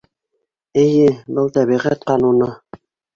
— Эйе, был — тәбиғәт ҡануны.